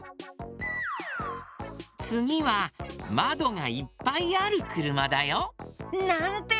つぎはまどがいっぱいあるくるまだよ。なんて